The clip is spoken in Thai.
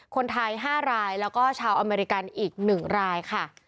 คนไทย๕รายแล้วก็ชาวอเมริกันอีก๑รายค่ะ